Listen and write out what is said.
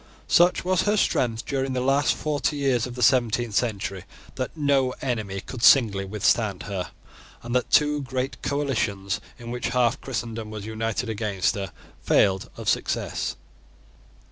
Such was her strength during the last forty years of the seventeenth century, that no enemy could singly withstand her, and that two great coalitions, in which half Christendom was united against her, failed of success.